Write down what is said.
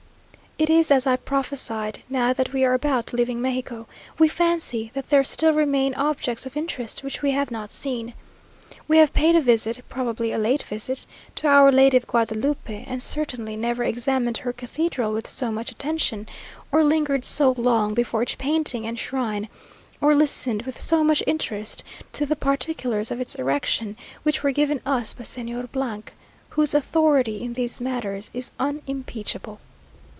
It is as I prophesied now that we are about leaving Mexico, we fancy that there still remain objects of interest which we have not seen. We have paid a visit, probably a last visit, to Our Lady of Guadalupe, and certainly never examined her cathedral with so much attention, or lingered so long before each painting and shrine, or listened with so much interest to the particulars of its erection, which were given us by Señor , whose authority in these matters is unimpeachable.